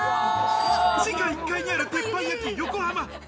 地下１階にある鉄板焼き、よこはま。